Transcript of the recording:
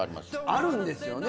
あるんですよね。